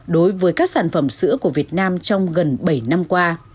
đối với các sản phẩm sữa của việt nam trong gần bảy năm qua